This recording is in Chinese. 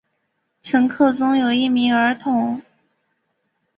乘客中有一名儿童。